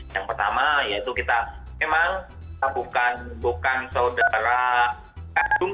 yang pertama yaitu kita memang bukan saudara kandung